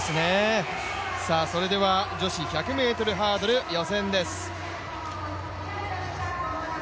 それでは女子１００ｍハードル予選です。